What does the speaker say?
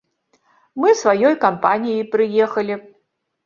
Мы сваёй кампаніяй прыехалі.